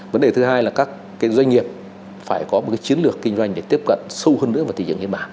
vấn đề thứ hai là các doanh nghiệp phải có một chiến lược kinh doanh để tiếp cận sâu hơn nữa vào thị trường nhật bản